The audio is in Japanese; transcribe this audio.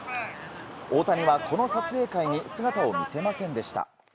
大谷はこの撮影会に姿を見せませんでした。